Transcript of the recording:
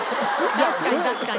確かに確かに。